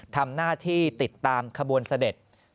ทำหน้าที่ติดตามขบวนเสด็จ